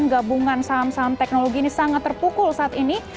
gabungan saham saham teknologi ini sangat terpukul saat ini